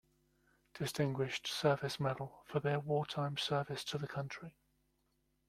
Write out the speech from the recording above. Distinguished Service Medal for their wartime service to the country.